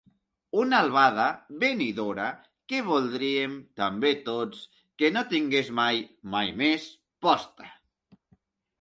Una albada, venidora, que voldríem, també tots, que no tingués mai —mai més— posta.